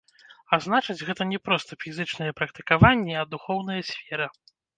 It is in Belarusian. А значыць, гэта не проста фізічныя практыкаванні, а духоўная сфера.